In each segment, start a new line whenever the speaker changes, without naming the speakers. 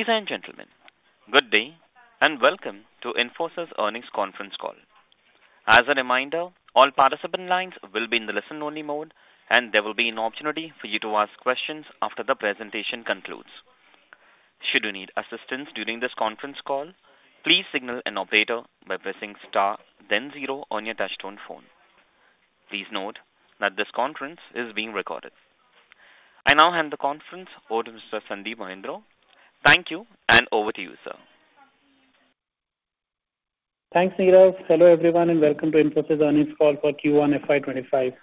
Ladies and gentlemen, good day, and welcome to Infosys Earnings Conference Call. As a reminder, all participant lines will be in the listen-only mode, and there will be an opportunity for you to ask questions after the presentation concludes. Should you need assistance during this conference call, please signal an operator by pressing star then zero on your touchtone phone. Please note that this conference is being recorded. I now hand the conference over to Mr. Sandeep Mahindroo. Thank you, and over to you, sir.
Thanks, Neeraj. Hello, everyone, and welcome to Infosys Earnings Call for Q1 FY25.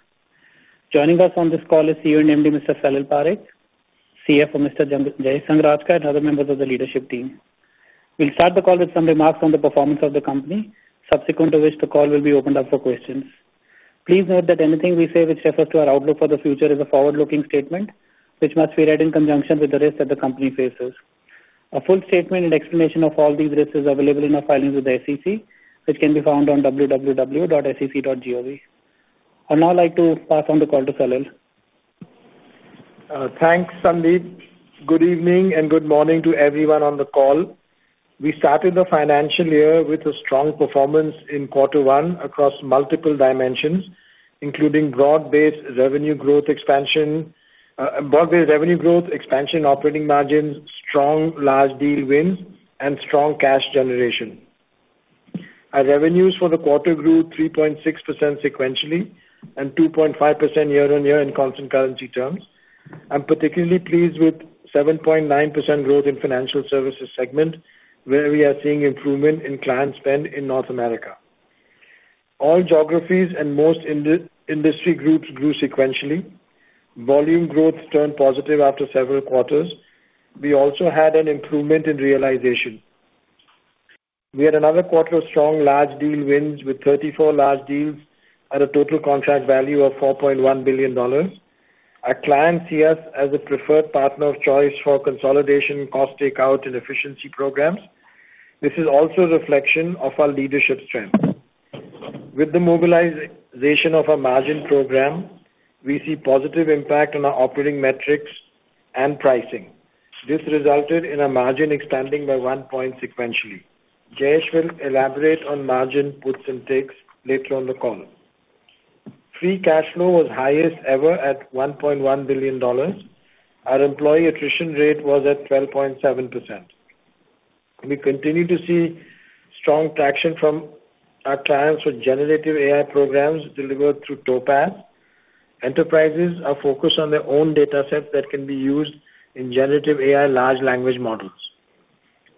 Joining us on this call is CEO and MD, Mr. Salil Parekh, CFO, Mr. Jayesh Sanghrajka, and other members of the leadership team. We'll start the call with some remarks on the performance of the company, subsequent to which the call will be opened up for questions. Please note that anything we say which refers to our outlook for the future is a forward-looking statement, which must be read in conjunction with the risks that the company faces. A full statement and explanation of all these risks is available in our filings with the SEC, which can be found on www.sec.gov. I'd now like to pass on the call to Salil.
Thanks, Sandeep. Good evening, and good morning to everyone on the call. We started the financial year with a strong performance in quarter one across multiple dimensions, including broad-based revenue growth, expansion operating margins, strong large deal wins, and strong cash generation. Our revenues for the quarter grew 3.6% sequentially and 2.5% year-on-year in constant currency terms. I'm particularly pleased with 7.9% growth in financial services segment, where we are seeing improvement in client spend in North America. All geographies and most industry groups grew sequentially. Volume growth turned positive after several quarters. We also had an improvement in realization. We had another quarter of strong large deal wins, with 34 large deals at a total contract value of $4.1 billion. Our clients see us as a preferred partner of choice for consolidation, cost takeout, and efficiency programs. This is also a reflection of our leadership strength. With the mobilization of our margin program, we see positive impact on our operating metrics and pricing. This resulted in our margin expanding by 1 point sequentially. Jayesh will elaborate on margin puts and takes later on the call. Free cash flow was highest ever at $1.1 billion. Our employee attrition rate was at 12.7%. We continue to see strong traction from our clients with Generative AI programs delivered through Topaz. Enterprises are focused on their own dataset that can be used in Generative AI large language models.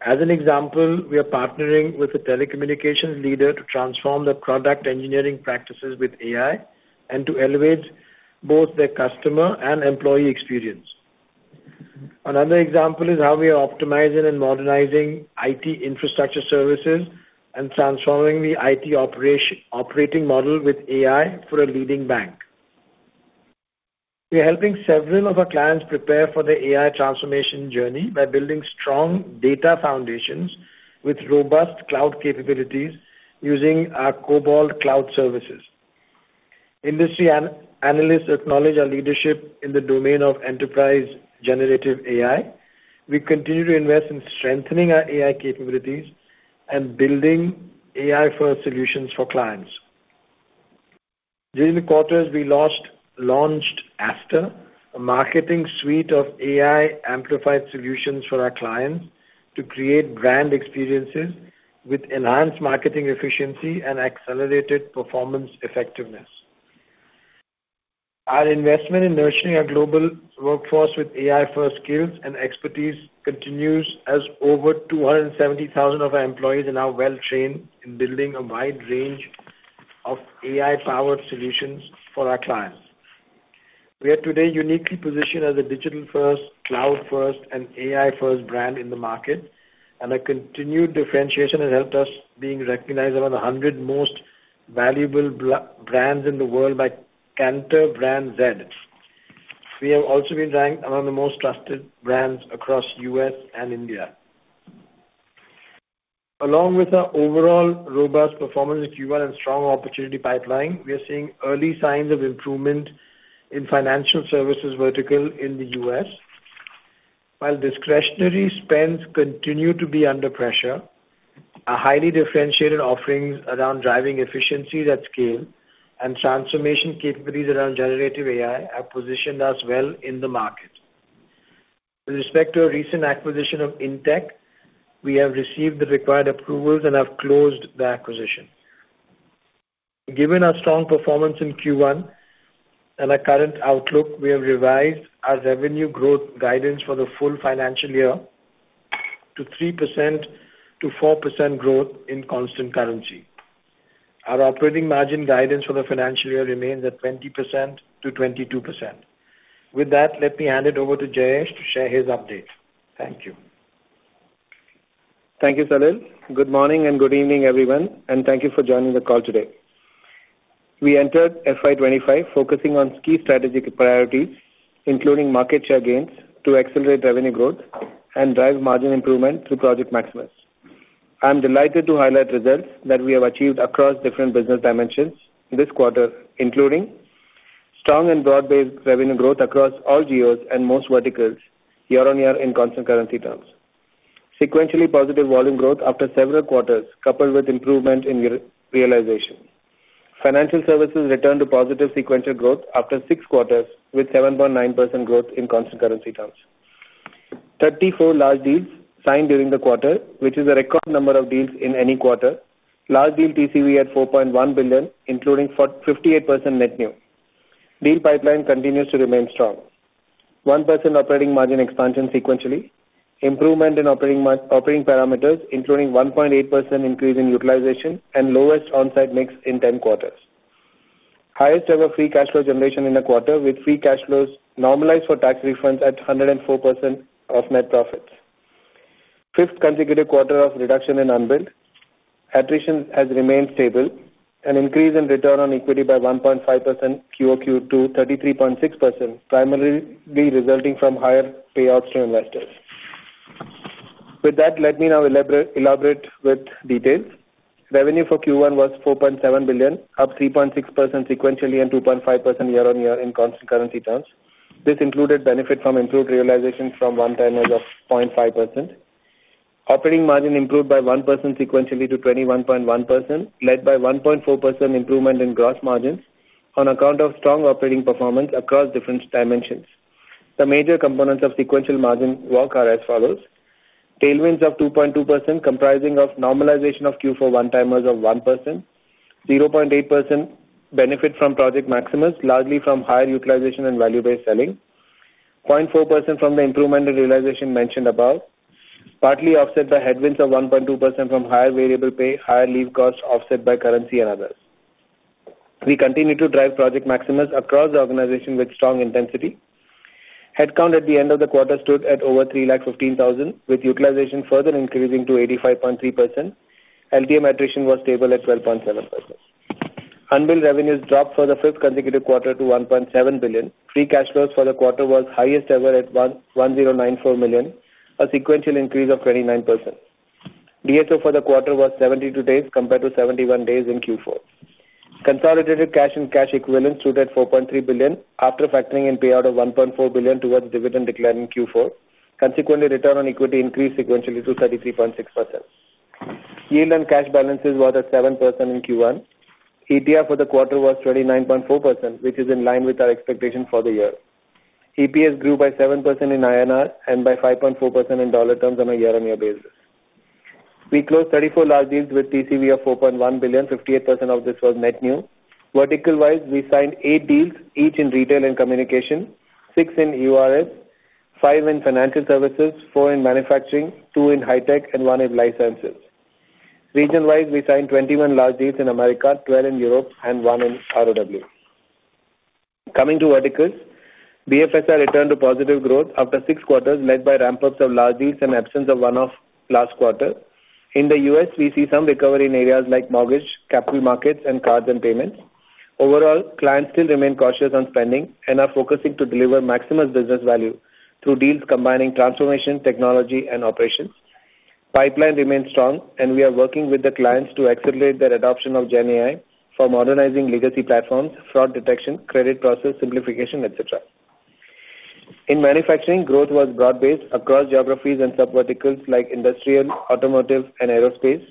As an example, we are partnering with a telecommunications leader to transform their product engineering practices with AI and to elevate both their customer and employee experience. Another example is how we are optimizing and modernizing IT infrastructure services and transforming the IT operating model with AI for a leading bank. We are helping several of our clients prepare for their AI transformation journey by building strong data foundations with robust cloud capabilities using our Cobalt Cloud Services. Industry analysts acknowledge our leadership in the domain of enterprise Generative AI. We continue to invest in strengthening our AI capabilities and building AI-first solutions for clients. During the quarters, we launched Aster, a marketing suite of AI-amplified solutions for our clients to create brand experiences with enhanced marketing efficiency and accelerated performance effectiveness. Our investment in nurturing our global workforce with AI-first skills and expertise continues, as over 270,000 of our employees are now well-trained in building a wide range of AI-powered solutions for our clients. We are today uniquely positioned as a digital-first, cloud-first and AI-first brand in the market, and our continued differentiation has helped us being recognized among the 100 most valuable brands in the world by Kantar BrandZ. We have also been ranked among the most trusted brands across U.S. and India. Along with our overall robust performance in Q1 and strong opportunity pipeline, we are seeing early signs of improvement in financial services vertical in the U.S. While discretionary spends continue to be under pressure, our highly differentiated offerings around driving efficiencies at scale and transformation capabilities around Generative AI have positioned us well in the market. With respect to our recent acquisition of in-tech, we have received the required approvals and have closed the acquisition. Given our strong performance in Q1 and our current outlook, we have revised our revenue growth guidance for the full financial year to 3%-4% growth in constant currency. Our operating margin guidance for the financial year remains at 20%-22%. With that, let me hand it over to Jayesh to share his update. Thank you.
Thank you, Salil. Good morning, and good evening, everyone, and thank you for joining the call today. We entered FY25 focusing on key strategic priorities, including market share gains, to accelerate revenue growth and drive margin improvement through Project Maximus. I'm delighted to highlight results that we have achieved across different business dimensions this quarter, including strong and broad-based revenue growth across all geos and most verticals year-on-year in constant currency terms. Sequentially positive volume growth after several quarters, coupled with improvement in realization. Financial services returned to positive sequential growth after six quarters, with 7.9% growth in constant currency terms. 34 large deals signed during the quarter, which is a record number of deals in any quarter. Large deal TCV at $4.1 billion, including 58% net new. Deal pipeline continues to remain strong. 1% operating margin expansion sequentially. Improvement in operating parameters, including 1.8% increase in utilization and lowest on-site mix in 10 quarters. Highest ever free cash flow generation in the quarter, with free cash flows normalized for tax refunds at 104% of net profits. Fifth consecutive quarter of reduction in unbilled. Attrition has remained stable. An increase in return on equity by 1.5% QOQ to 33.6%, primarily resulting from higher payouts to investors. With that, let me now elaborate with details. Revenue for Q1 was $4.7 billion, up 3.6% sequentially and 2.5% year-on-year in constant currency terms. This included benefit from improved realization from one-timers of 0.5%. Operating margin improved by 1% sequentially to 21.1%, led by 1.4% improvement in gross margins on account of strong operating performance across different dimensions. The major components of sequential margin walk are as follows: tailwinds of 2.2%, comprising of normalization of Q4 one-timers of 1%, 0.8% benefit from Project Maximus, largely from higher utilization and Value-Based Selling, 0.4% from the improvement in realization mentioned above, partly offset by headwinds of 1.2% from higher variable pay, higher leave costs, offset by currency and others. We continue to drive Project Maximus across the organization with strong intensity. Headcount at the end of the quarter stood at over 315,000, with utilization further increasing to 85.3%. LTM attrition was stable at 12.7%. Unbilled revenues dropped for the fifth consecutive quarter to $1.7 billion. Free cash flows for the quarter was highest ever at $1,109.4 million, a sequential increase of 29%. DSO for the quarter was 72 days compared to 71 days in Q4. Consolidated cash and cash equivalents stood at $4.3 billion after factoring in payout of $1.4 billion towards dividend declared in Q4. Consequently, return on equity increased sequentially to 33.6%. Yield on cash balances were at 7% in Q1. ETR for the quarter was 29.4%, which is in line with our expectation for the year. EPS grew by 7% in INR and by 5.4% in dollar terms on a year-on-year basis. We closed 34 large deals with TCV of $4.1 billion. 58% of this was net new. Vertical-wise, we signed eight deals, each in retail and communication, six in EURS, five in financial services, four in manufacturing, two in high-tech and one in life sciences. Region-wise, we signed 21 large deals in America, 12 in Europe and one in ROW. Coming to verticals. BFSI returned to positive growth after six quarters, led by ramp-ups of large deals and absence of one-off last quarter. In the US, we see some recovery in areas like mortgage, capital markets, and cards and payments. Overall, clients still remain cautious on spending and are focusing to deliver maximum business value through deals combining transformation, technology, and operations. Pipeline remains strong, and we are working with the clients to accelerate their adoption of GenAI for modernizing legacy platforms, fraud detection, credit process simplification, et cetera. In manufacturing, growth was broad-based across geographies and subverticals like industrial, automotive, and aerospace.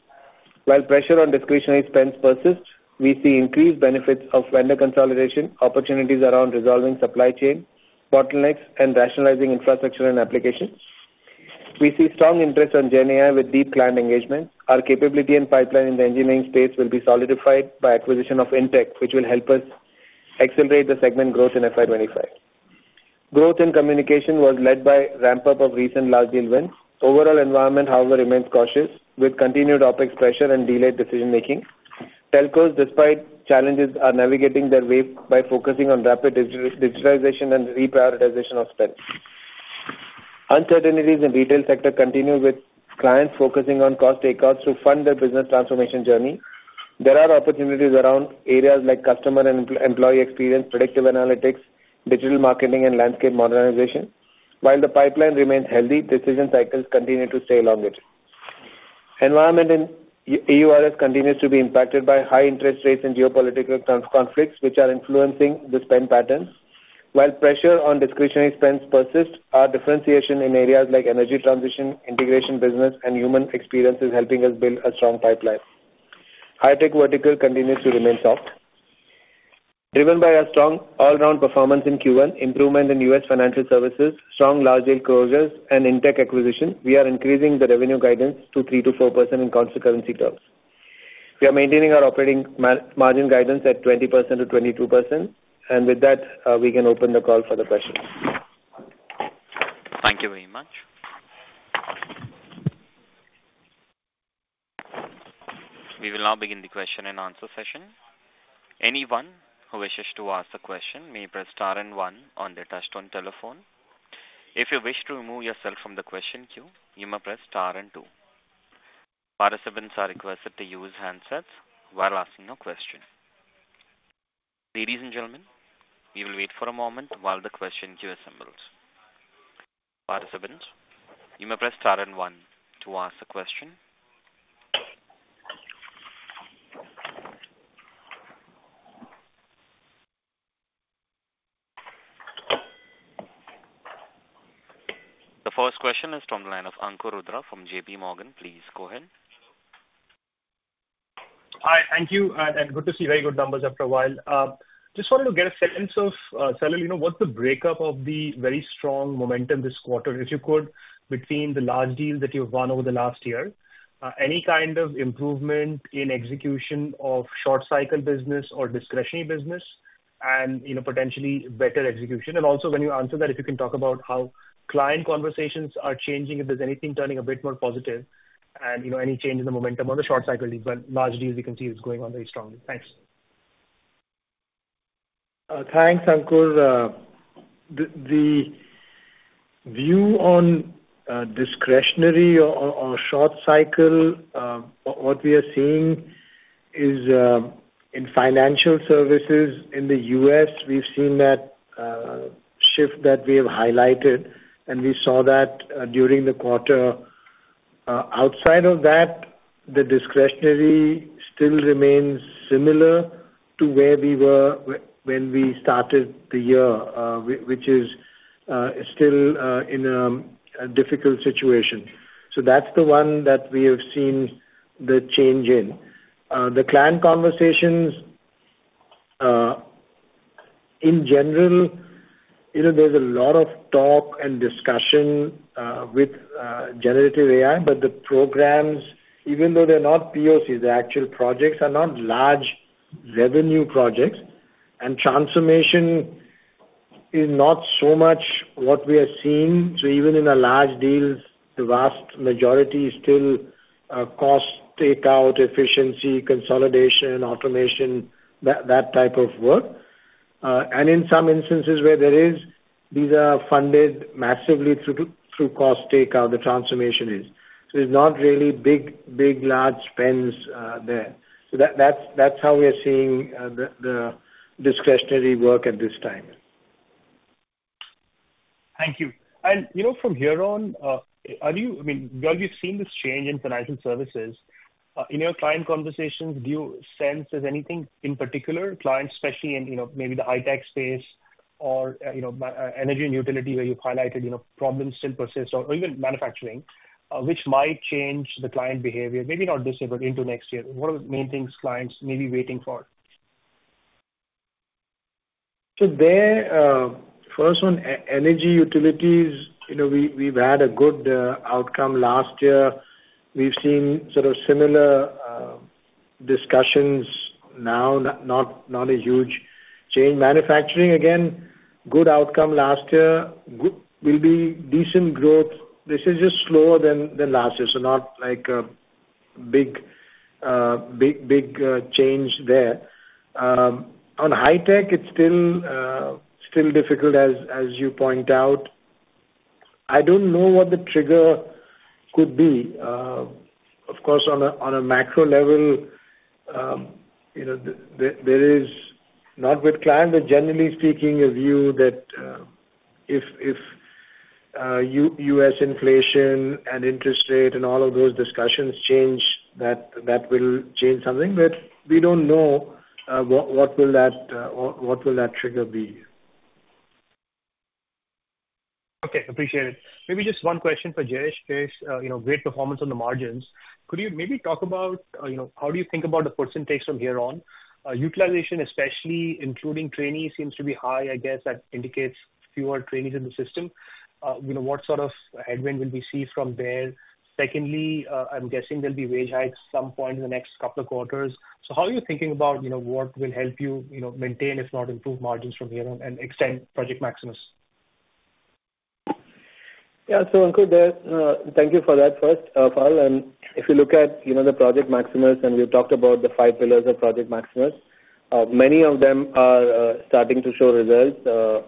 While pressure on discretionary spends persist, we see increased benefits of vendor consolidation, opportunities around resolving supply chain bottlenecks, and rationalizing infrastructure and applications. We see strong interest on GenAI with deep client engagement. Our capability and pipeline in the engineering space will be solidified by acquisition of in-tech, which will help us accelerate the segment growth in FY25. Growth in communication was led by ramp-up of recent large deal wins. Overall environment, however, remains cautious, with continued OpEx pressure and delayed decision-making. Telcos, despite challenges, are navigating their way by focusing on rapid digitization and reprioritization of spends. Uncertainties in retail sector continue, with clients focusing on cost takeouts to fund their business transformation journey. There are opportunities around areas like customer and employee experience, predictive analytics, digital marketing, and landscape modernization. While the pipeline remains healthy, decision cycles continue to stay longer. Environment in EURS continues to be impacted by high interest rates and geopolitical conflicts, which are influencing the spend patterns. While pressure on discretionary spends persist, our differentiation in areas like energy transition, integration business, and human experience is helping us build a strong pipeline. High-tech vertical continues to remain soft. Driven by our strong all-round performance in Q1, improvement in US financial services, strong large deal closures, and in-tech acquisition, we are increasing the revenue guidance to 3%-4% in constant currency terms. We are maintaining our operating margin guidance at 20%-22%. With that, we can open the call for the questions.
Thank you very much. We will now begin the question-and-answer session. Anyone who wishes to ask a question may press star and one on their touchtone telephone. If you wish to remove yourself from the question queue, you may press star and two. Participants are requested to use handsets while asking a question. Ladies and gentlemen, we will wait for a moment while the question queue assembles. Participants, you may press star and one to ask a question. The first question is from the line of Ankur Rudra from JPMorgan. Please go ahead.
Hi. Thank you, and good to see very good numbers after a while. Just wanted to get a sense of, Salil, you know, what's the breakdown of the very strong momentum this quarter, if you could, between the large deals that you've won over the last year? Any kind of improvement in execution of short cycle business or discretionary business and, you know, potentially better execution? And also, when you answer that, if you can talk about how client conversations are changing, if there's anything turning a bit more positive, and, you know, any change in the momentum on the short cycle deals, but large deals we can see is going on very strongly. Thanks.
Thanks, Ankur. The view on discretionary or short cycle, what we are seeing is, in financial services in the U.S., we've seen that shift that we have highlighted, and we saw that during the quarter. Outside of that, the discretionary still remains similar to where we were when we started the year, which is still in a difficult situation. So that's the one that we have seen the change in. The client conversations in general, you know, there's a lot of talk and discussion with Generative AI, but the programs, even though they're not POCs, the actual projects are not large revenue projects, and transformation is not so much what we are seeing. So even in the large deals, the vast majority is still, cost takeout, efficiency, consolidation, automation, that, that type of work. And in some instances where there is, these are funded massively through the, through cost takeout, the transformation is. So it's not really big, big, large spends, there. So that, that's, that's how we are seeing, the, the discretionary work at this time.
Thank you. And, you know, from here on, are you... I mean, while you've seen this change in financial services, in your client conversations, do you sense there's anything in particular, clients especially in, you know, maybe the high-tech space or, you know, energy and utility, where you've highlighted, you know, problems still persist, or even manufacturing, which might change the client behavior, maybe not this year, but into next year? What are the main things clients may be waiting for?
So there, first one, energy utilities, you know, we, we've had a good outcome last year. We've seen sort of similar discussions now, not, not, not a huge change. Manufacturing, again, good outcome last year. Good will be decent growth. This is just slower than last year, so not like a big, big change there. On high tech, it's still, still difficult, as you point out. I don't know what the trigger could be. Of course, on a macro level, you know, there is, not with client, but generally speaking, a view that, if US inflation and interest rate and all of those discussions change, that will change something, but we don't know, what will that trigger be.
Okay, appreciate it. Maybe just one question for Jayesh. Jayesh, you know, great performance on the margins. Could you maybe talk about, you know, how do you think about the percentage from here on? Utilization, especially including training, seems to be high. I guess that indicates fewer trainees in the system. You know, what sort of headwind will we see from there? Secondly, I'm guessing there'll be wage hikes at some point in the next couple of quarters. So how are you thinking about, you know, what will help you, you know, maintain, if not improve margins from here on and extend Project Maximus?
Yeah. So Ankur there, thank you for that first follow on. If you look at, you know, the Project Maximus, and we've talked about the five pillars of Project Maximus, many of them are starting to show results.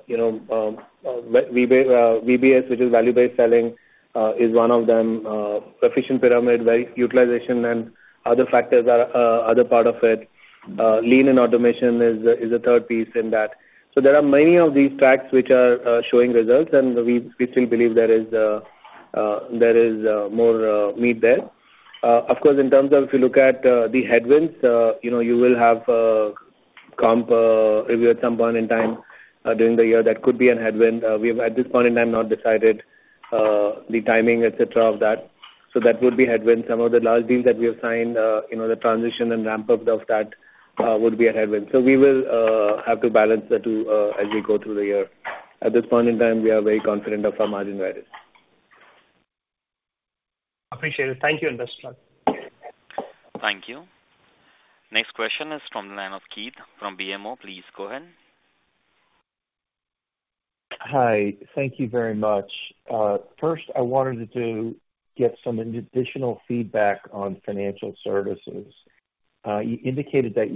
You know, VBS, VBS, which is Value-Based Selling, is one of them. Efficient pyramid, right, utilization and other factors are other part of it. Lean and Automation is the third piece in that. So there are many of these tracks which are showing results, and we still believe there is more meat there. Of course, in terms of if you look at the headwinds, you know, you will have comp, maybe at some point in time during the year, that could be a headwind. We have, at this point in time, not decided the timing, et cetera, of that. So that would be headwind. Some of the large deals that we have signed, you know, the transition and ramp-up of that would be a headwind. So we will have to balance the two as we go through the year. At this point in time, we are very confident of our margin guidance.
Appreciate it. Thank you, and best luck.
Thank you. Next question is from the line of Keith from BMO. Please go ahead.
Hi, thank you very much. First, I wanted to get some additional feedback on financial services. You indicated that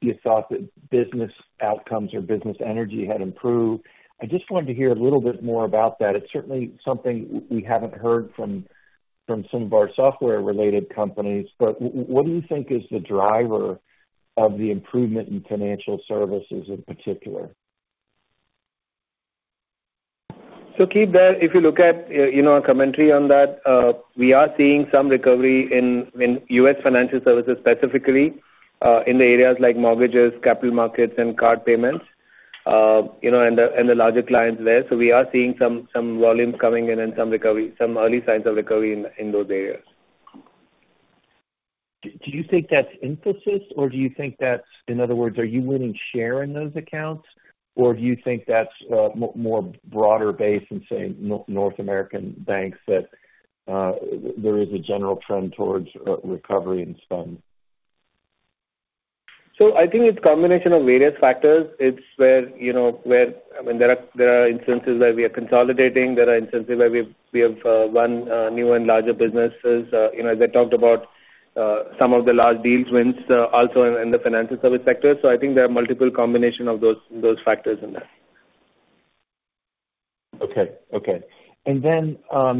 you thought that business outcomes or business energy had improved. I just wanted to hear a little bit more about that. It's certainly something we haven't heard from, from some of our software-related companies, but what do you think is the driver of the improvement in financial services in particular? ...
So, Keith, if you look at, you know, our commentary on that, we are seeing some recovery in, in US financial services, specifically, in the areas like mortgages, capital markets, and card payments. You know, and the, and the larger clients there. So we are seeing some, some volume coming in and some recovery, some early signs of recovery in, in those areas.
Do you think that's Infosys, or do you think that's— In other words, are you winning share in those accounts? Or do you think that's a more broader base in, say, North American banks, that there is a general trend towards recovery in some?
So I think it's a combination of various factors. It's where, you know, where, I mean, there are, there are instances where we are consolidating, there are instances where we, we have, won, new and larger businesses. You know, they talked about, some of the large deals wins, also in, in the financial service sector. So I think there are multiple combination of those, those factors in there.
Okay. Okay. And then,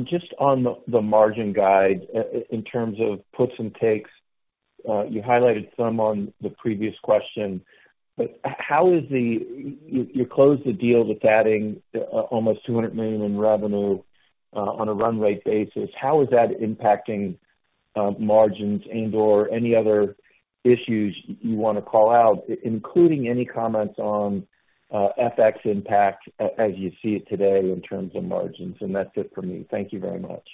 just on the, the margin guide, in terms of puts and takes, you highlighted some on the previous question, but how is the... You closed the deal with adding, almost $200 million in revenue, on a run rate basis. How is that impacting, margins and/or any other issues you wanna call out, including any comments on, FX impact as you see it today in terms of margins? And that's it for me. Thank you very much.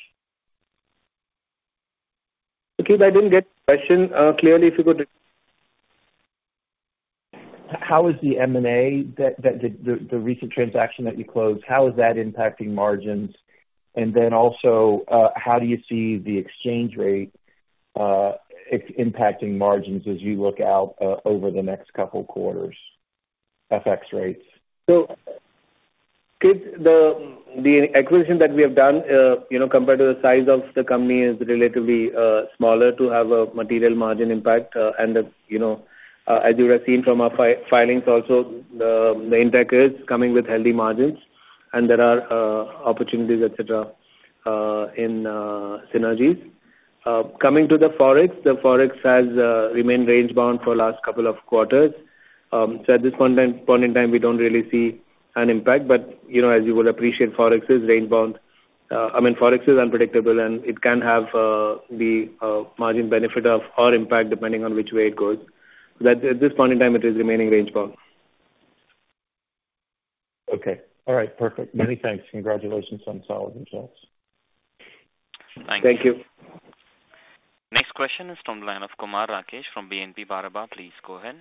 Okay, I didn't get the question clearly. If you could re-
How is the M&A, the recent transaction that you closed, how is that impacting margins? And then also, how do you see the exchange rate impacting margins as you look out over the next couple quarters, FX rates?
So, Keith, the acquisition that we have done, you know, compared to the size of the company is relatively smaller to have a material margin impact. And, you know, as you have seen from our filings also, the in-tech is coming with healthy margins, and there are opportunities, et cetera, in synergies. Coming to the Forex, the Forex has remained range-bound for last couple of quarters. So at this point in time, we don't really see an impact. But, you know, as you would appreciate, Forex is range-bound. I mean, Forex is unpredictable, and it can have the margin benefit of or impact, depending on which way it goes. But at this point in time, it is remaining range-bound.
Okay. All right. Perfect. Many thanks. Congratulations on solid results.
Thank you.
Next question is from the line of Kumar Rakesh from BNP Paribas. Please go ahead.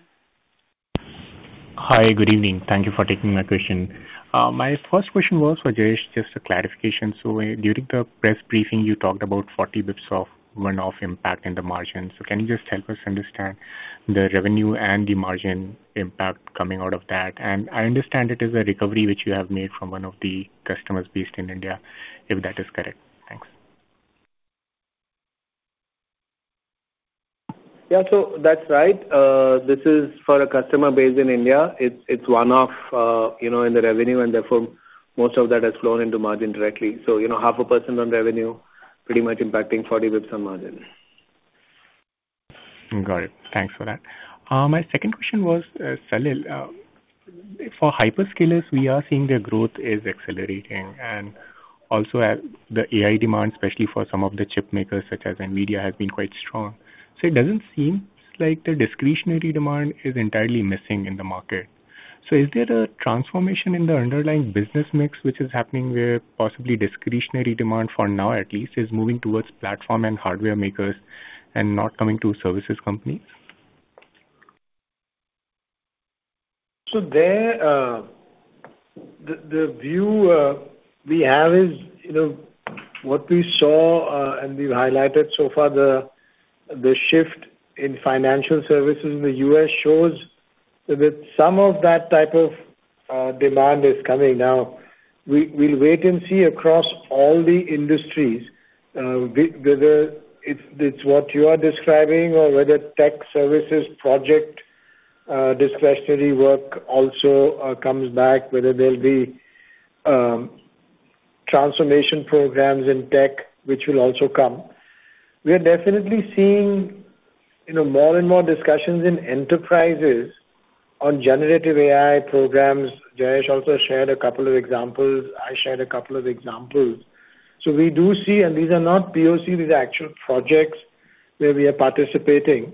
Hi, good evening. Thank you for taking my question. My first question was for Jayesh, just a clarification. So during the press briefing, you talked about 40 basis points of one-off impact in the margin. So can you just help us understand the revenue and the margin impact coming out of that? And I understand it is a recovery which you have made from one of the customers based in India, if that is correct. Thanks.
Yeah, so that's right. This is for a customer based in India. It's one-off, you know, in the revenue, and therefore, most of that has flown into margin directly. So, you know, 0.5% on revenue, pretty much impacting 40 basis points on margin.
Got it. Thanks for that. My second question was, Salil. For hyperscalers, we are seeing their growth is accelerating. And also, the AI demand, especially for some of the chip makers such as NVIDIA, has been quite strong. So it doesn't seem like the discretionary demand is entirely missing in the market. So is there a transformation in the underlying business mix, which is happening, where possibly discretionary demand, for now at least, is moving towards platform and hardware makers and not coming to services companies?
So there, the view we have is, you know, what we saw, and we've highlighted so far the shift in financial services in the U.S. shows that some of that type of demand is coming. Now, we'll wait and see across all the industries, whether it's what you are describing or whether tech services project, discretionary work also, comes back, whether there'll be transformation programs in tech, which will also come. We are definitely seeing, you know, more and more discussions in enterprises on Generative AI programs. Jayesh also shared a couple of examples. I shared a couple of examples. So we do see... And these are not POC, these are actual projects where we are participating.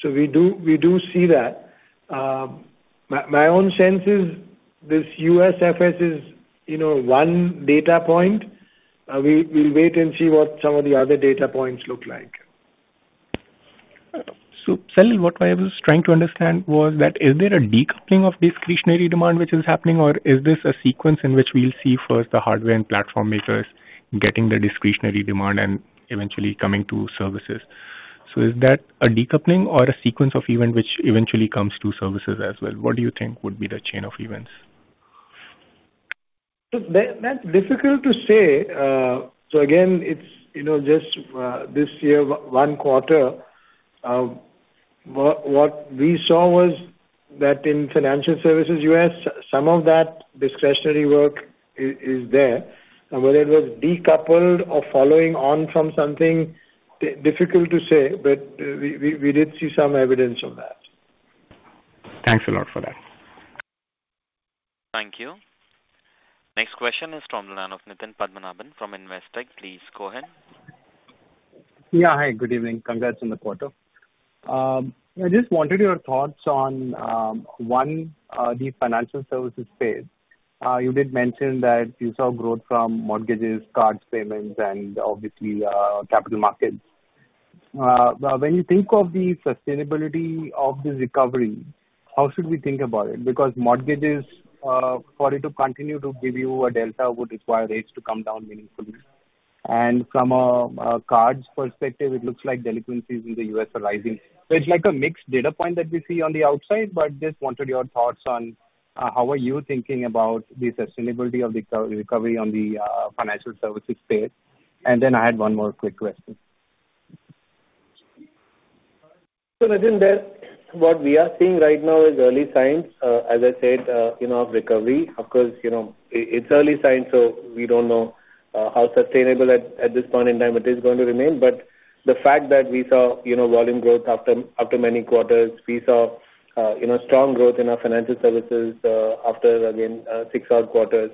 So we do see that. My own sense is this USFS is, you know, one data point. We'll wait and see what some of the other data points look like.
Salil, what I was trying to understand was that, is there a decoupling of discretionary demand which is happening, or is this a sequence in which we'll see first the hardware and platform makers getting the discretionary demand and eventually coming to services? Is that a decoupling or a sequence of event which eventually comes to services as well? What do you think would be the chain of events?
So, that's difficult to say. So again, it's, you know, just this year, one quarter. What we saw was that in financial services, US, some of that discretionary work is there. Whether it was decoupled or following on from something, difficult to say, but we did see some evidence of that....
Thanks a lot for that.
Thank you. Next question is from the line of Nitin Padmanabhan from Investec. Please go ahead.
Yeah. Hi, good evening. Congrats on the quarter. I just wanted your thoughts on one, the financial services space. You did mention that you saw growth from mortgages, card payments, and obviously, capital markets. When you think of the sustainability of the recovery, how should we think about it? Because mortgages, for it to continue to give you a delta, would require rates to come down meaningfully. And from a cards perspective, it looks like delinquencies in the U.S. are rising. So it's like a mixed data point that we see on the outside, but just wanted your thoughts on how are you thinking about the sustainability of the recovery on the financial services space? And then I had one more quick question.
So Nitin, there, what we are seeing right now is early signs, as I said, you know, of recovery. Of course, you know, it's early signs, so we don't know how sustainable at this point in time it is going to remain. But the fact that we saw, you know, volume growth after many quarters, we saw, you know, strong growth in our financial services, after, again, six hard quarters.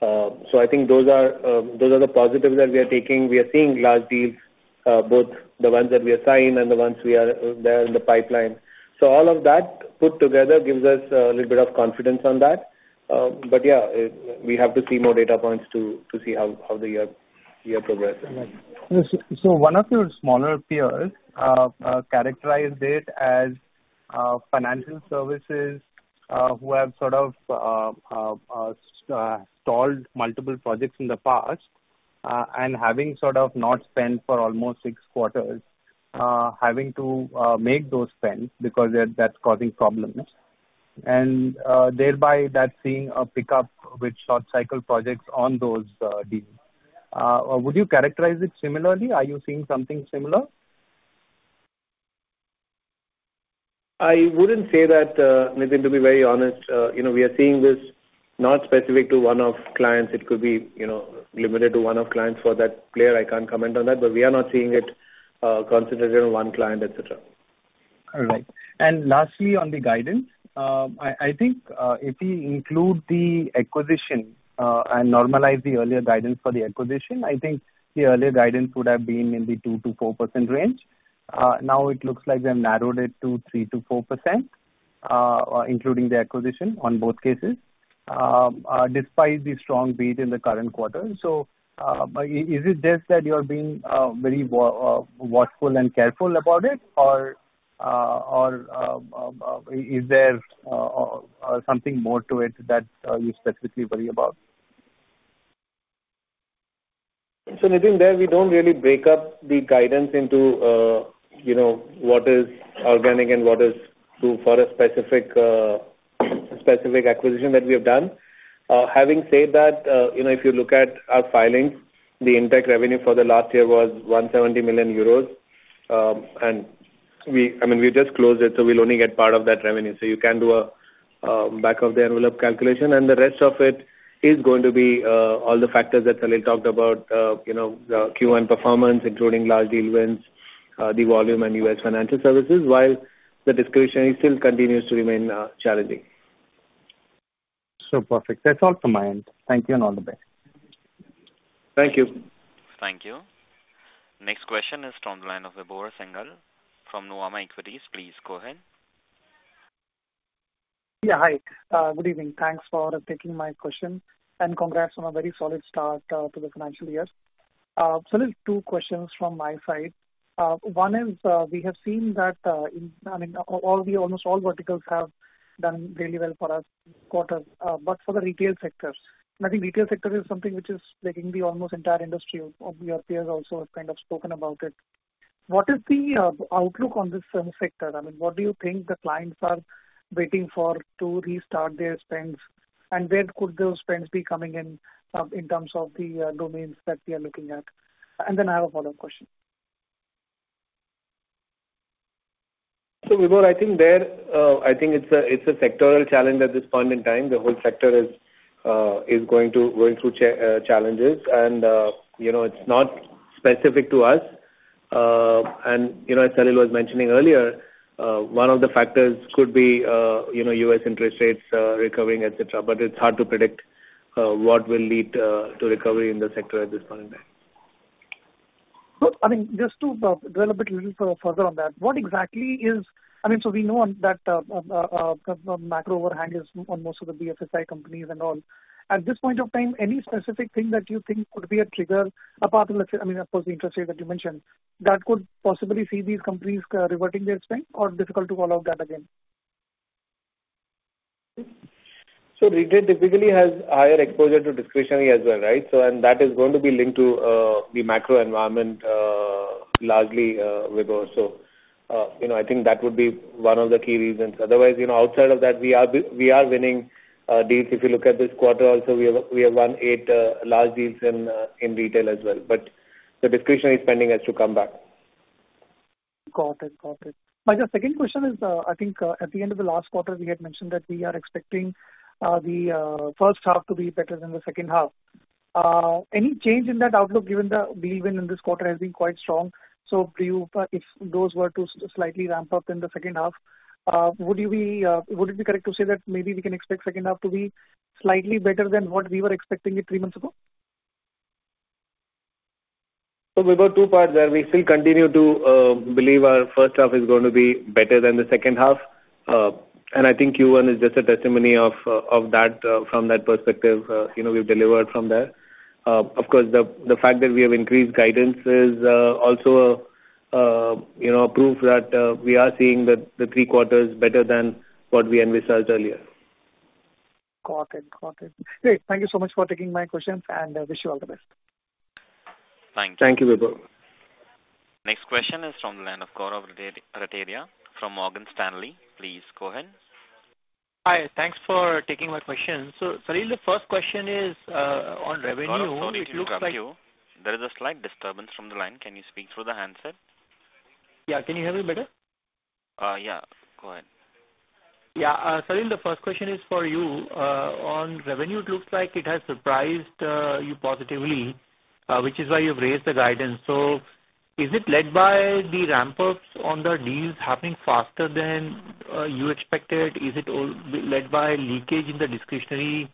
So I think those are the positives that we are taking. We are seeing large deals, both the ones that we are signed and the ones we are there in the pipeline. So all of that put together gives us a little bit of confidence on that. But yeah, we have to see more data points to see how the year progresses.
So one of your smaller peers characterized it as financial services who have sort of stalled multiple projects in the past and having sort of not spent for almost six quarters, having to make those spends because that's causing problems. And thereby that's seeing a pickup with short cycle projects on those deals. Would you characterize it similarly? Are you seeing something similar?
I wouldn't say that, Nitin, to be very honest. You know, we are seeing this not specific to one of clients. It could be, you know, limited to one of clients. For that player, I can't comment on that, but we are not seeing it, concentrated in one client, et cetera.
All right. Lastly, on the guidance. I think if you include the acquisition and normalize the earlier guidance for the acquisition, I think the earlier guidance would have been in the 2%-4% range. Now it looks like they've narrowed it to 3%-4%, including the acquisition on both cases, despite the strong beat in the current quarter. So, is it just that you're being very watchful and careful about it? Or, is there something more to it that you specifically worry about?
So, Nitin, there, we don't really break up the guidance into, you know, what is organic and what is through for a specific acquisition that we have done. Having said that, you know, if you look at our filings, the in-tech revenue for the last year was 170 million euros. I mean, we just closed it, so we'll only get part of that revenue. So you can do a back of the envelope calculation, and the rest of it is going to be all the factors that Salil talked about, you know, the Q1 performance, including large deal wins, the volume and U.S. financial services, while the discretionary still continues to remain challenging.
So perfect. That's all from my end. Thank you, and all the best.
Thank you.
Thank you. Next question is from the line of Vibhor Singhal from Nuvama Equities. Please go ahead.
Yeah. Hi, good evening. Thanks for taking my question, and congrats on a very solid start to the financial year. So there's two questions from my side. One is, we have seen that, I mean, all the, almost all verticals have done really well for our quarter, but for the retail sectors. I think retail sector is something which is plaguing the almost entire industry of your peers also have kind of spoken about it. What is the outlook on this sector? I mean, what do you think the clients are waiting for to restart their spends, and where could those spends be coming in, in terms of the domains that we are looking at? And then I have a follow-up question.
So Vibhor, I think it's a sectoral challenge at this point in time. The whole sector is going through challenges and, you know, it's not specific to us. And, you know, as Salil was mentioning earlier, one of the factors could be, you know, U.S. interest rates recovering, et cetera. But it's hard to predict what will lead to recovery in the sector at this point in time.
So, I mean, just to, drill a bit little further on that. What exactly is... I mean, so we know that, macro overhang is on most of the BFSI companies and all. At this point of time, any specific thing that you think could be a trigger, apart from the, I mean, of course, the interest rate that you mentioned, that could possibly see these companies, reverting their spend, or difficult to call out that again?
So retail typically has higher exposure to discretionary as well, right? So and that is going to be linked to, the macro environment, largely, Vibhor. So, you know, I think that would be one of the key reasons. Otherwise, you know, outside of that, we are we are winning, deals. If you look at this quarter also, we have, we have won eight, large deals in, in retail as well, but the discretionary spending has to come back.
Got it. Got it. My second question is, I think, at the end of the last quarter, we had mentioned that we are expecting the first half to be better than the second half. Any change in that outlook, given the deal win in this quarter has been quite strong? So, if those were to slightly ramp up in the second half, would it be correct to say that maybe we can expect second half to be slightly better than what we were expecting it three months ago?
So we've got two parts there. We still continue to believe our first half is going to be better than the second half. And I think Q1 is just a testimony of that from that perspective, you know, we've delivered from there. Of course, the fact that we have increased guidance is also, you know, a proof that we are seeing the three quarters better than what we envisaged earlier.
Got it. Got it. Great, thank you so much for taking my questions, and wish you all the best.
Thank you.
Thank you, Vibhor.
Next question is from the line of Gaurav Rateria from Morgan Stanley. Please go ahead.
Hi, thanks for taking my question. So, Salil, the first question is, on revenue. It looks like-
Gaurav, sorry to interrupt you. There is a slight disturbance from the line. Can you speak through the handset?
Yeah. Can you hear me better?
Yeah, go ahead.
Yeah, Salil, the first question is for you. On revenue, it looks like it has surprised you positively, which is why you've raised the guidance. So is it led by the ramp-ups on the deals happening faster than you expected? Is it led by leakage in the discretionary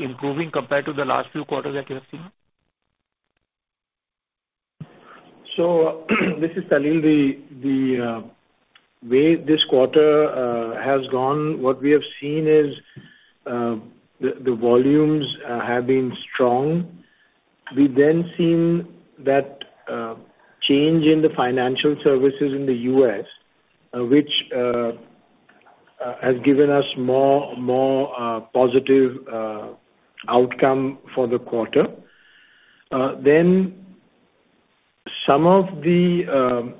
improving compared to the last few quarters that you have seen?
So, this is Salil. The way this quarter has gone, what we have seen is, the volumes have been strong. We've then seen that change in the financial services in the US, which has given us more positive outcome for the quarter. Then, some of the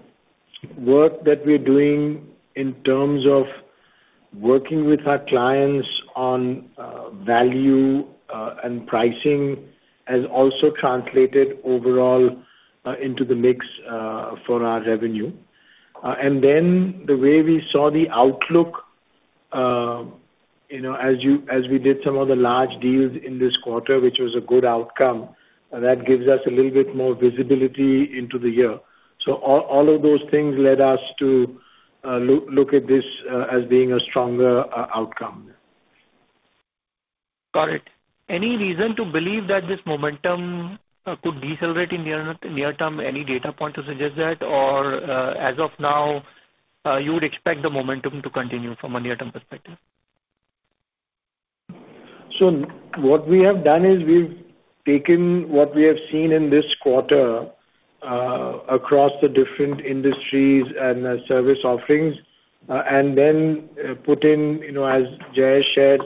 work that we're doing in terms of working with our clients on value and pricing has also translated overall into the mix for our revenue. And then, the way we saw the outlook, you know, as we did some of the large deals in this quarter, which was a good outcome, that gives us a little bit more visibility into the year. So all of those things led us to look at this as being a stronger outcome.
Got it. Any reason to believe that this momentum could decelerate in near term? Any data point to suggest that? Or, as of now, you would expect the momentum to continue from a near-term perspective?
So what we have done is, we've taken what we have seen in this quarter, across the different industries and service offerings, and then, put in, you know, as Jayesh shared,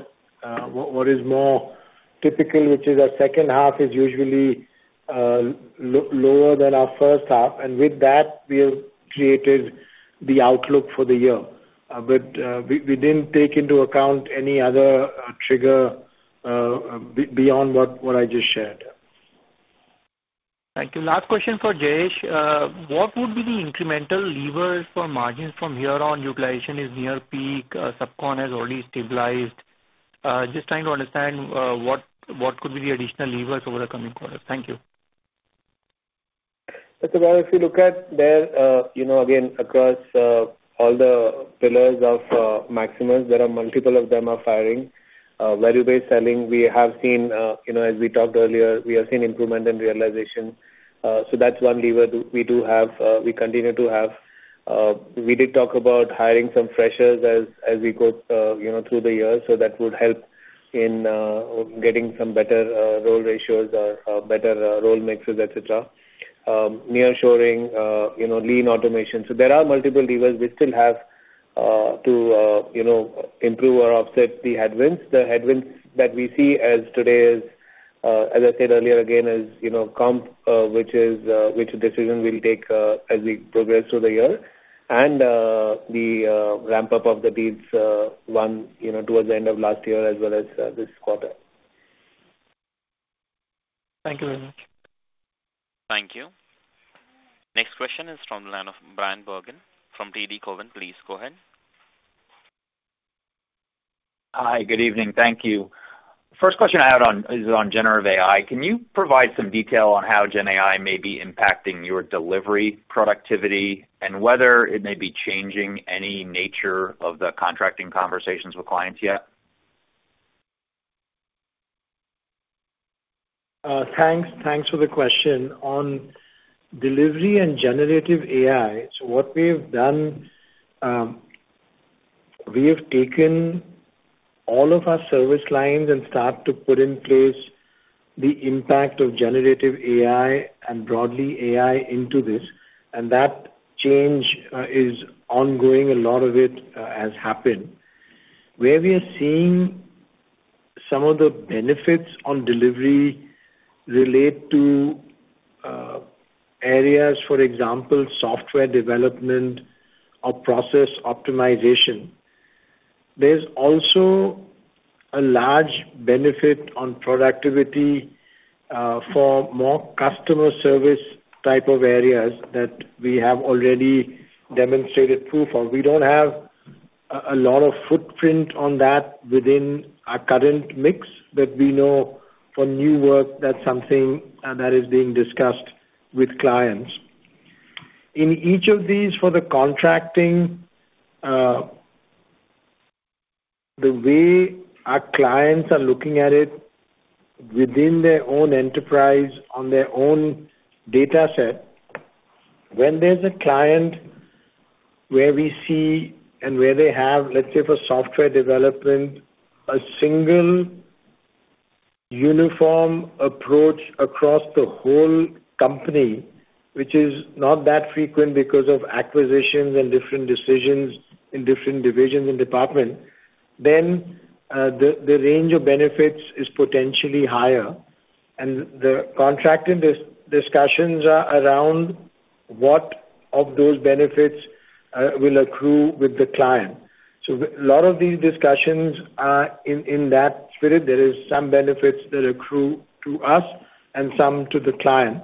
what, what is more typical, which is our second half is usually, lower than our first half. And with that, we have created the outlook for the year. But, we, we didn't take into account any other, trigger, beyond what, what I just shared.
Thank you. Last question for Jayesh. What would be the incremental levers for margins from here on? Utilization is near peak, subcon has already stabilized. Just trying to understand, what, what could be the additional levers over the coming quarters? Thank you.
Look, if you look at there, you know, again, across, all the pillars of, Maximus, there are multiple of them are firing. Value-Based Selling, we have seen, you know, as we talked earlier, we have seen improvement in realization. So that's one lever we do have, we continue to have. We did talk about hiring some freshers as we go, you know, through the year, so that would help in, getting some better, role ratios or, better, role mixes, et cetera. Nearshoring, you know, lean automation. So there are multiple levers we still have, to, you know, improve or offset the headwinds. The headwinds that we see today is, as I said earlier, again, is, you know, comp, which is, which decision we'll take, as we progress through the year. And, the ramp-up of the deals, won, you know, towards the end of last year as well as, this quarter.
Thank you very much.
Thank you. Next question is from the line of Bryan Bergin from TD Cowen. Please go ahead.
Hi, good evening. Thank you. First question I had on is on Generative AI. Can you provide some detail on how Gen AI may be impacting your delivery, productivity, and whether it may be changing any nature of the contracting conversations with clients yet?
Thanks. Thanks for the question. On delivery and Generative AI, so what we have done, we have taken all of our service lines and start to put in place the impact of Generative AI and broadly AI into this, and that change is ongoing. A lot of it has happened. Where we are seeing some of the benefits on delivery relate to areas, for example, software development or process optimization. There's also a large benefit on productivity for more customer service type of areas that we have already demonstrated proof of. We don't have a lot of footprint on that within our current mix, but we know for new work, that's something that is being discussed with clients. In each of these for the contracting, the way our clients are looking at it within their own enterprise, on their own data set, when there's a client where we see and where they have, let's say, for software development, a single uniform approach across the whole company, which is not that frequent because of acquisitions and different decisions in different divisions and departments, then, the range of benefits is potentially higher, and the contracting discussions are around what of those benefits will accrue with the client. So, a lot of these discussions are in that spirit. There is some benefits that accrue to us and some to the client.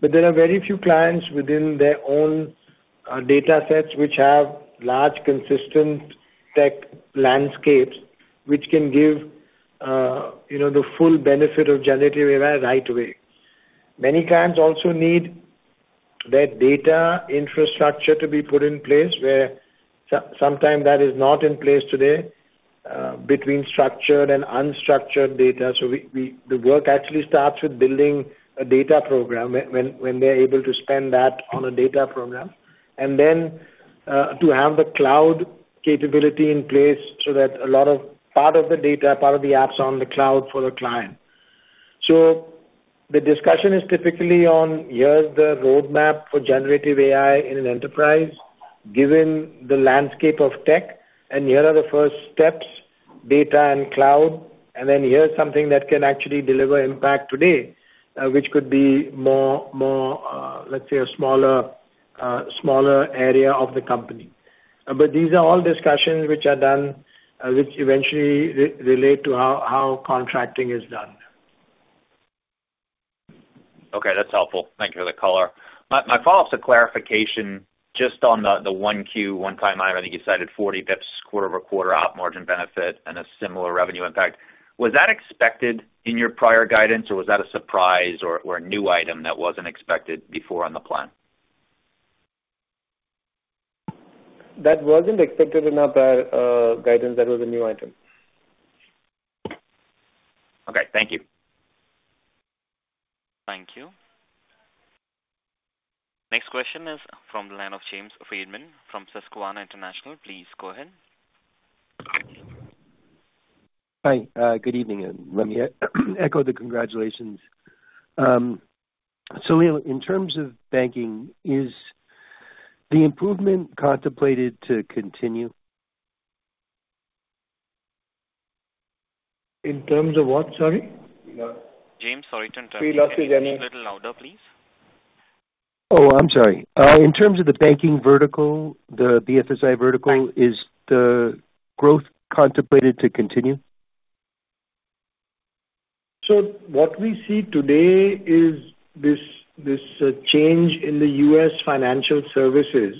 But there are very few clients within their own data sets which have large, consistent tech landscapes, which can give, you know, the full benefit of Generative AI right away. Many clients also need their data infrastructure to be put in place, where sometimes that is not in place today, between structured and unstructured data. So we the work actually starts with building a data program when they're able to spend that on a data program, and then to have the cloud capability in place so that a lot of, part of the data, part of the apps are on the cloud for the client. So the discussion is typically on, here's the roadmap for Generative AI in an enterprise, given the landscape of tech, and here are the first steps: data and cloud. And then here's something that can actually deliver impact today, which could be more, let's say a smaller area of the company. But these are all discussions which are done, which eventually relate to how contracting is done.
Okay, that's helpful. Thank you for the color. My, my follow-up is a clarification just on the one-time item. I think you cited 40 basis points quarter-over-quarter op margin benefit and a similar revenue impact. Was that expected in your prior guidance, or was that a surprise or a new item that wasn't expected before on the plan?
That wasn't expected in our guidance. That was a new item.
Okay, thank you.
Thank you. Next question is from the line of James Friedman from Susquehanna International. Please go ahead.
Hi, good evening, and let me echo the congratulations. Salil, in terms of banking, is the improvement contemplated to continue?
In terms of what, sorry?
James, sorry to interrupt.
Please ask again.
Can you speak a little louder, please.
Oh, I'm sorry. In terms of the banking vertical, the BFSI vertical-
Thank you.
Is the growth contemplated to continue?
So what we see today is this change in the U.S. financial services.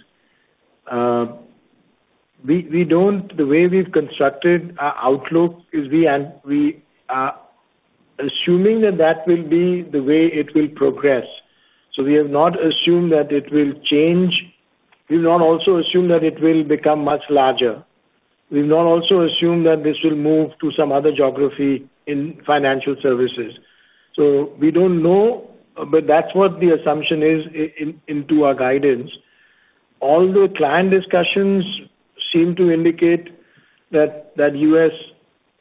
We don't... The way we've constructed our outlook is we are assuming that that will be the way it will progress. So we have not assumed that it will change. We've not also assumed that it will become much larger. We've not also assumed that this will move to some other geography in financial services. So we don't know, but that's what the assumption is in into our guidance, although client discussions seem to indicate that U.S.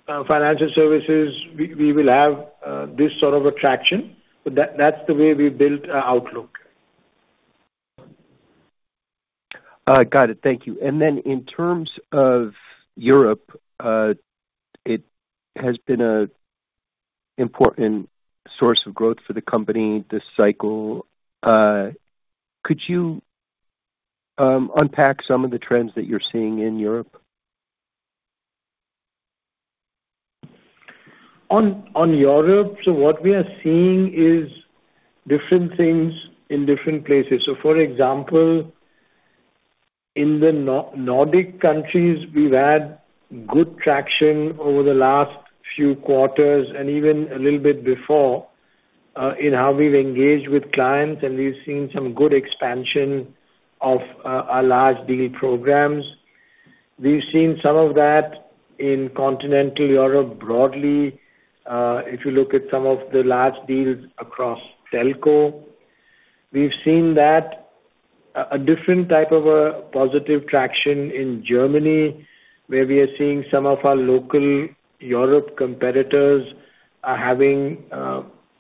financial services, we will have this sort of a traction. So that's the way we've built our outlook.
Got it. Thank you. And then in terms of Europe, it has been an important source of growth for the company this cycle. Could you unpack some of the trends that you're seeing in Europe?
On Europe, so what we are seeing is different things in different places. So for example, in the Nordic countries, we've had good traction over the last few quarters and even a little bit before, in how we've engaged with clients, and we've seen some good expansion of our large deal programs. We've seen some of that in Continental Europe broadly. If you look at some of the large deals across telco, we've seen that, a different type of a positive traction in Germany, where we are seeing some of our local Europe competitors are having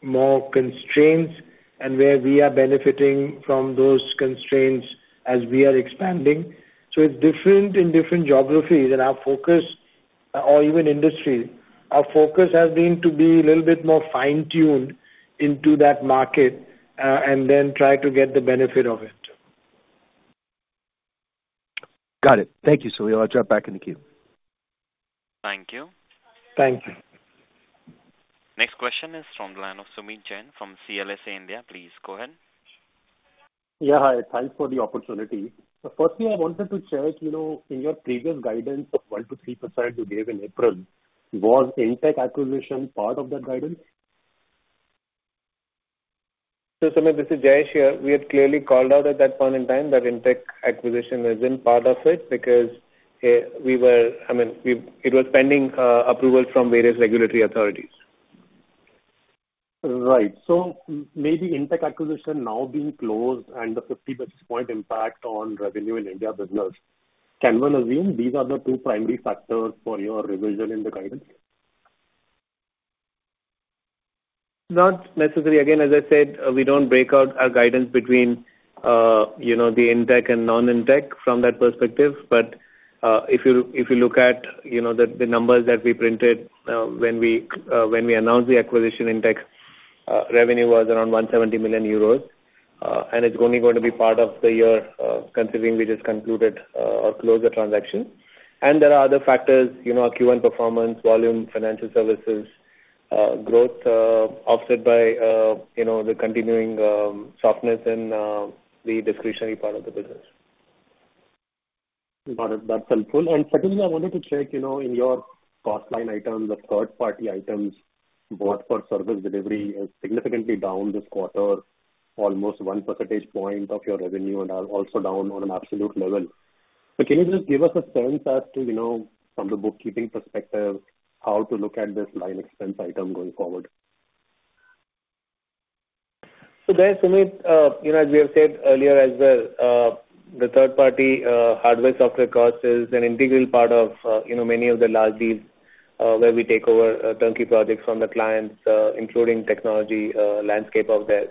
more constraints and where we are benefiting from those constraints as we are expanding. So it's different in different geographies and our focus... or even industries. Our focus has been to be a little bit more fine-tuned into that market, and then try to get the benefit of it.
Got it. Thank you, Salil. I'll drop back in the queue.
Thank you.
Thank you.
Next question is from the line of Sumeet Jain from CLSA India. Please go ahead.
Yeah, hi. Thanks for the opportunity. So firstly, I wanted to check, you know, in your previous guidance of 1%-3% you gave in April, was in-tech acquisition part of that guidance?
Sumeet, this is Jayesh here. We had clearly called out at that point in time that in-tech acquisition isn't part of it, because, I mean, it was pending approval from various regulatory authorities.
Right. So maybe in-tech acquisition now being closed and the 50 basis points impact on revenue in India business, can one assume these are the two primary factors for your revision in the guidance?
Not necessarily. Again, as I said, we don't break out our guidance between, you know, the in-tech and non-in-tech from that perspective. But, if you look at, you know, the numbers that we printed, when we announced the acquisition, in-tech revenue was around 170 million euros, and it's only going to be part of the year, considering we just concluded or closed the transaction. And there are other factors, you know, our Q1 performance, volume, financial services, growth, offset by, you know, the continuing softness in the discretionary part of the business.
Got it. That's helpful. And secondly, I wanted to check, you know, in your cost line items, the third-party items bought for service delivery is significantly down this quarter, almost 1 percentage point of your revenue, and are also down on an absolute level. So can you just give us a sense as to, you know, from the bookkeeping perspective, how to look at this line expense item going forward?
So guys, Sumeet, you know, as we have said earlier as well, the third party hardware, software cost is an integral part of, you know, many of the large deals, where we take over turnkey projects from the clients, including technology landscape of theirs.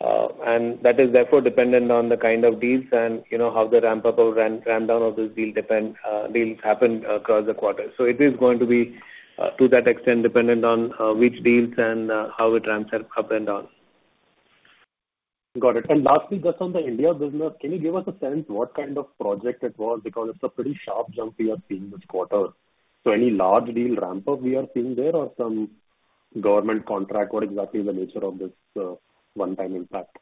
And that is therefore dependent on the kind of deals and, you know, how the ramp-up or ramp-down of this deal depend. Deals happen across the quarter. So it is going to be, to that extent, dependent on, which deals and, how it ramps up and down.
Got it. And lastly, just on the India business, can you give us a sense what kind of project it was? Because it's a pretty sharp jump we are seeing this quarter. So any large deal ramp-up we are seeing there or some government contract? What exactly is the nature of this one-time impact?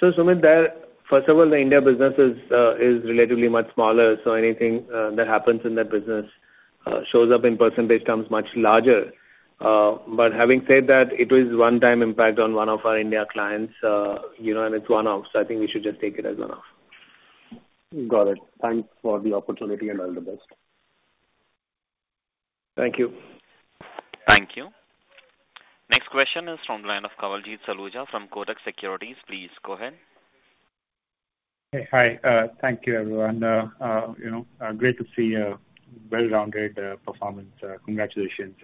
So, Sumeet, there, first of all, the India business is, is relatively much smaller, so anything, that happens in that business, shows up in percentage terms much larger. But having said that, it was one-time impact on one of our India clients, you know, and it's one-off, so I think we should just take it as one-off.
Got it. Thanks for the opportunity and all the best.
Thank you.
Thank you. Next question is from the line of Kawaljeet Saluja from Kotak Securities. Please go ahead.
Hey, hi, thank you, everyone. You know, great to see a well-rounded performance. Congratulations.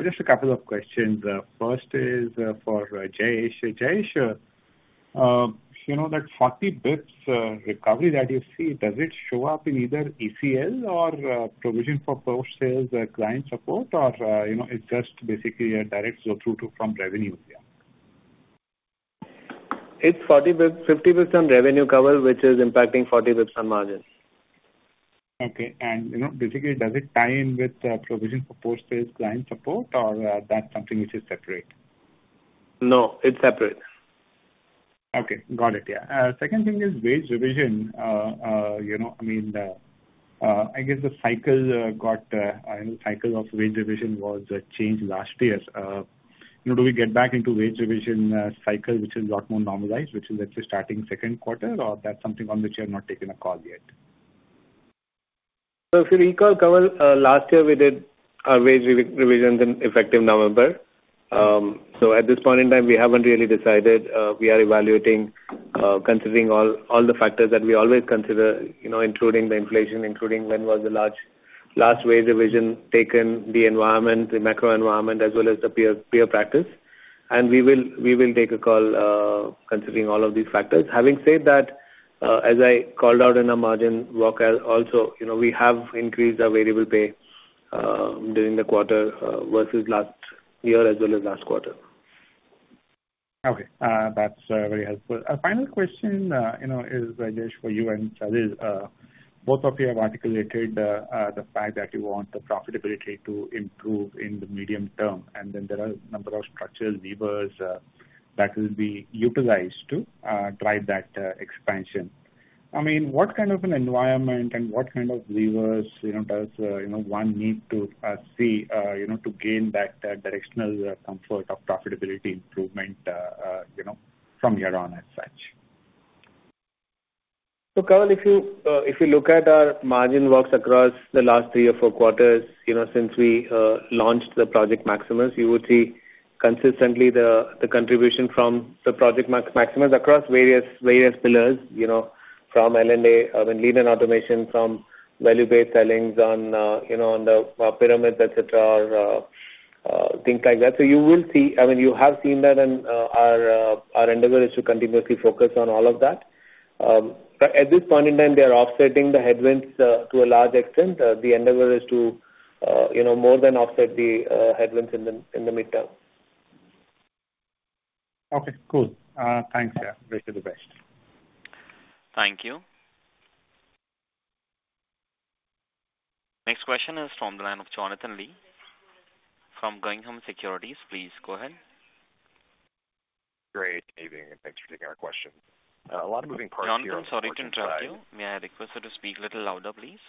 Just a couple of questions. First is, for Jayesh. Jayesh, you know, that 40 basis points recovery that you see, does it show up in either ECL or provision for post-sales client support or you know, it's just basically a direct flow through to... from revenue?
It's 40 basis points, 50 basis points on revenue, Kawal, which is impacting 40 basis points on margins.
Okay. And, you know, basically, does it tie in with provision for post-sales client support or that's something which is separate?
No, it's separate.
Okay, got it. Yeah. Second thing is wage revision. You know, I mean, the, I guess the cycle, got, I know cycle of wage revision was changed last year. You know, do we get back into wage revision, cycle, which is a lot more normalized, which is let's say starting second quarter, or that's something on which you have not taken a call yet?
So if you recall, Kawal, last year we did our wage revisions in effective November. So at this point in time, we haven't really decided. We are evaluating, considering all the factors that we always consider, you know, including the inflation, including when was the last wage revision, taking the environment, the macro environment, as well as the peer practice. And we will take a call, considering all of these factors. Having said that, as I called out in our margin walk as also, you know, we have increased our variable pay during the quarter versus last year as well as last quarter.
Okay, that's very helpful. Final question, you know, is, Jayesh, for you and Salil. Both of you have articulated the fact that you want the profitability to improve in the medium term, and then there are a number of structural levers that will be utilized to drive that expansion. I mean, what kind of an environment and what kind of levers, you know, does, you know, one need to see, you know, to gain that directional comfort of profitability improvement, you know, from here on as such?
So, Kawal, if you, if you look at our margin walks across the last three or four quarters, you know, since we launched the Project Maximus, you would see consistently the contribution from the Project Maximus across various pillars, you know, from L&A, I mean, Lean and Automation, from Value-Based Sellings on, you know, on the pyramids, et cetera, things like that. So you will see, I mean, you have seen that and our endeavor is to continuously focus on all of that. But at this point in time, they are offsetting the headwinds to a large extent. The endeavor is to, you know, more than offset the headwinds in the midterm
Okay, cool. Thanks, yeah. Wish you the best.
Thank you. Next question is from the line of Jonathan Lee from Guggenheim Securities. Please go ahead.
Great. Evening, and thanks for taking our question. A lot of moving parts here-
Jonathan, sorry to interrupt you. May I request you to speak a little louder, please?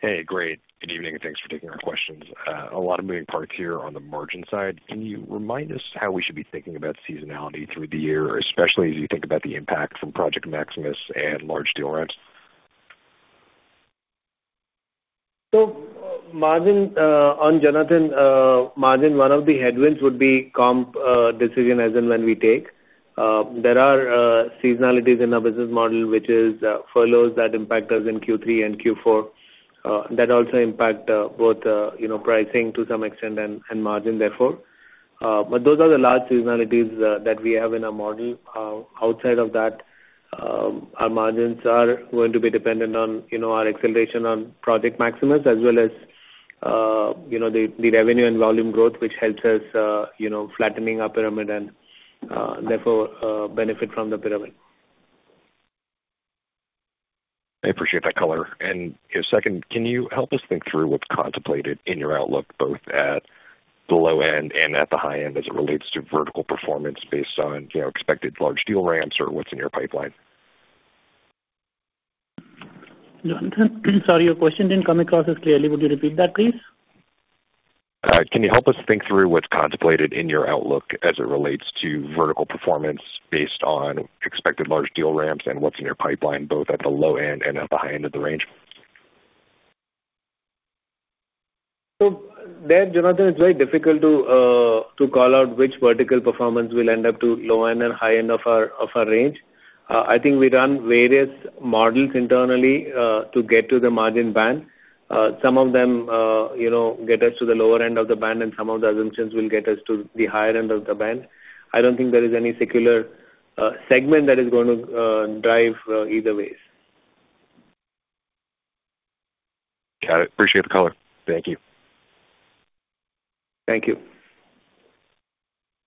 Hey, great. Good evening, and thanks for taking our questions. A lot of moving parts here on the margin side. Can you remind us how we should be thinking about seasonality through the year, especially as you think about the impact from Project Maximus and large deal ramps?
So margin, on Jonathan, margin, one of the headwinds would be comp decision as and when we take. There are seasonalities in our business model, which is furloughs that impact us in Q3 and Q4, that also impact both, you know, pricing to some extent and, and margin therefore. But those are the large seasonalities that we have in our model. Outside of that, our margins are going to be dependent on, you know, our acceleration on Project Maximus, as well as, you know, the, the revenue and volume growth, which helps us, you know, flattening our pyramid and, therefore, benefit from the pyramid.
I appreciate that color. And second, can you help us think through what's contemplated in your outlook, both at the low end and at the high end, as it relates to vertical performance based on, you know, expected large deal ramps or what's in your pipeline?
Jonathan, sorry, your question didn't come across as clearly. Would you repeat that, please?
Can you help us think through what's contemplated in your outlook as it relates to vertical performance based on expected large deal ramps and what's in your pipeline, both at the low end and at the high end of the range?
So, Jonathan, it's very difficult to call out which vertical performance will end up to low end and high end of our range. I think we run various models internally to get to the margin band. Some of them, you know, get us to the lower end of the band, and some of the assumptions will get us to the higher end of the band. I don't think there is any secular segment that is going to drive either ways.
Got it. Appreciate the color. Thank you.
Thank you.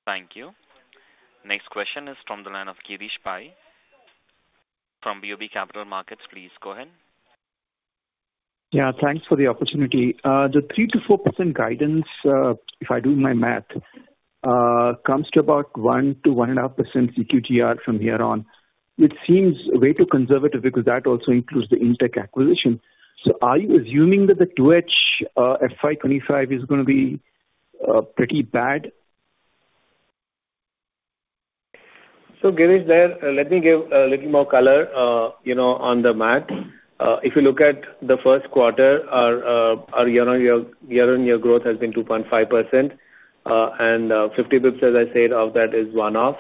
Thank you. Next question is from the line of Girish Pai from BOB Capital Markets. Please go ahead.
Yeah, thanks for the opportunity. The 3%-4% guidance, if I do my math, comes to about 1%-1.5% CQGR from here on. It seems way too conservative because that also includes the in-tech acquisition. So are you assuming that the 2H FY25 is gonna be pretty bad?
So, Girish, there, let me give a little more color, you know, on the math. If you look at the first quarter, our year-on-year, year-on-year growth has been 2.5%, and 50 basis points, as I said, of that is one-off.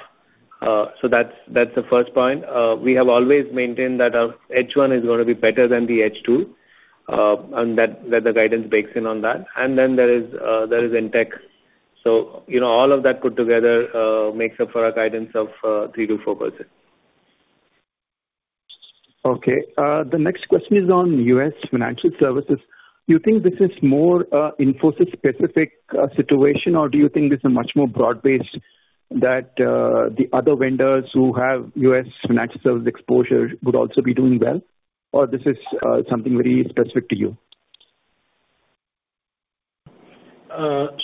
So that's, that's the first point. We have always maintained that our H1 is gonna be better than the H2, and that, that the guidance bakes in on that. And then there is in-tech. So, you know, all of that put together makes up for our guidance of 3%-4%.
Okay. The next question is on U.S. Financial Services. Do you think this is more a Infosys specific situation, or do you think this is much more broad-based that the other vendors who have U.S. Financial Services exposure would also be doing well? Or this is something very specific to you?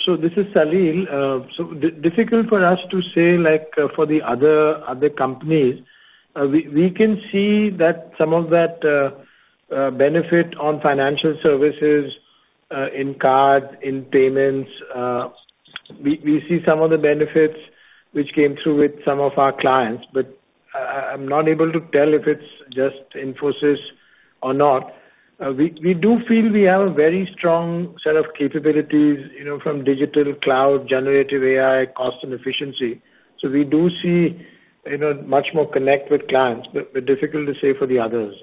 So this is Salil. So difficult for us to say, like, for the other companies. We can see that some of that benefit on financial services, in cards, in payments, we see some of the benefits which came through with some of our clients, but I, I'm not able to tell if it's just Infosys or not. We do feel we have a very strong set of capabilities, you know, from digital, cloud, Generative AI, cost, and efficiency. So we do see, you know, much more connect with clients, but difficult to say for the others.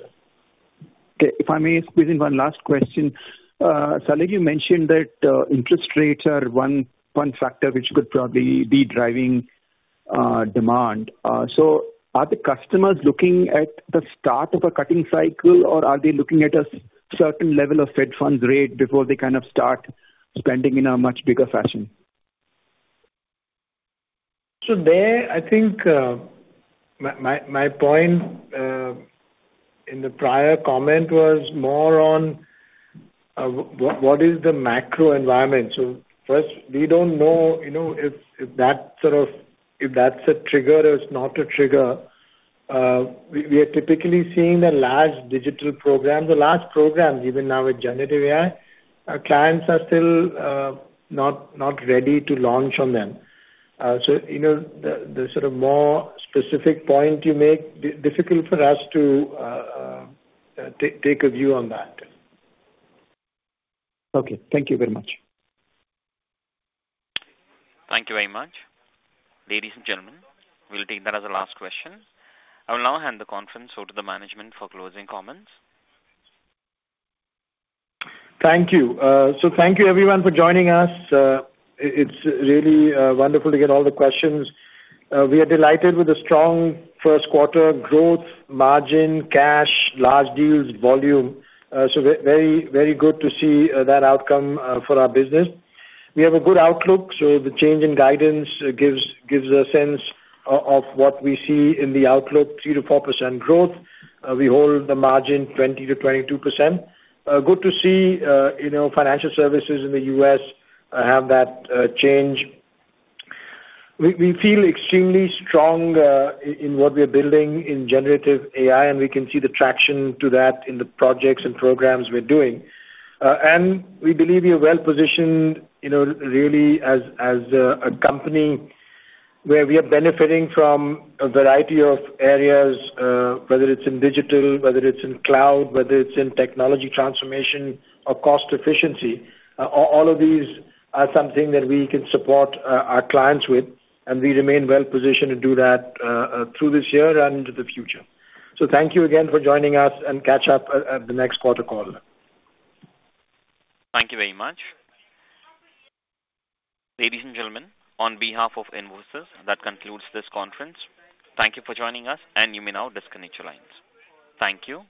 Okay. If I may squeeze in one last question. Salil, you mentioned that interest rates are one factor which could probably be driving demand. So are the customers looking at the start of a cutting cycle, or are they looking at a certain level of Fed funds rate before they kind of start spending in a much bigger fashion?
So there, I think my point in the prior comment was more on what is the macro environment. So first, we don't know, you know, if that's sort of a trigger or it's not a trigger. We are typically seeing the large digital programs, the large programs, even now with Generative AI, our clients are still not ready to launch on them. So, you know, the sort of more specific point you make, difficult for us to take a view on that.
Okay. Thank you very much.
Thank you very much. Ladies and gentlemen, we'll take that as the last question. I will now hand the conference over to the management for closing comments.
Thank you. So thank you everyone for joining us. It’s really wonderful to get all the questions. We are delighted with the strong first quarter growth, margin, cash, large deals, volume. So very, very good to see that outcome for our business. We have a good outlook, so the change in guidance gives a sense of what we see in the outlook, 3%-4% growth. We hold the margin 20%-22%. Good to see, you know, financial services in the US have that change. We feel extremely strong in what we are building in Generative AI, and we can see the traction to that in the projects and programs we’re doing. And we believe we are well-positioned, you know, really as a company where we are benefiting from a variety of areas, whether it's in digital, whether it's in cloud, whether it's in technology transformation or cost efficiency. All of these are something that we can support our clients with, and we remain well positioned to do that, through this year and the future. So thank you again for joining us, and catch up at the next quarter call.
Thank you very much. Ladies and gentlemen, on behalf of Infosys, that concludes this conference. Thank you for joining us, and you may now disconnect your lines. Thank you.